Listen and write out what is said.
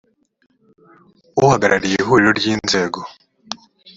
holly thacker uhagarariye ihuriro ry inzego